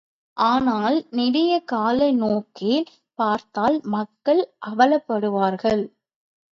ஆனால் நெடிய கால நோக்கில் பார்த்தால் மக்கள் அவலப்படுவார்கள்.